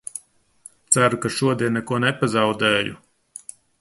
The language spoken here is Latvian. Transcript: Ceru, ka šodien neko nepazaudēju!